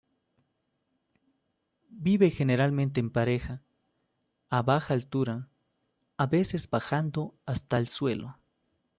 Vive generalmente en pareja, a baja altura, a veces bajando hasta el suelo.